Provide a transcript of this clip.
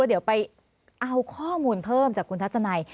เดี๋ยวไปเอาข้อมูลเพิ่มจากคุณทัศนัย